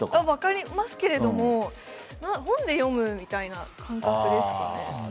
分かりますけれども本で読むみたいな感覚ですね。